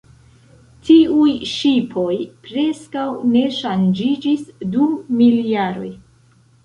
Tiuj ŝipoj preskaŭ ne ŝanĝiĝis dum mil jaroj.